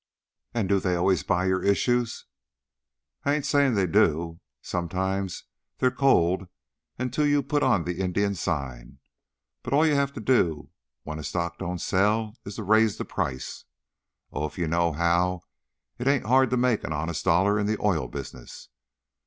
"And do they always buy your issues?" "I ain't saying they do. Sometimes they're cold until you put on the Indian sign. But all you have to do when stock don't sell is to raise the price. Oh, if you know how, it ain't hard to make an honest dollar in the oil business!"